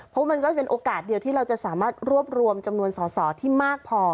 เพราะมันก็เป็นโอกาสเดียวที่เราจะสามารถรวบรวมจำนวนสอสอที่มากพอ